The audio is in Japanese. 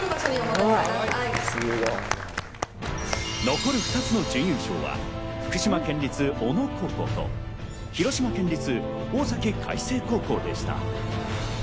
残る２つの準優勝は福島県立小野高校と広島県立大崎海星高校でした。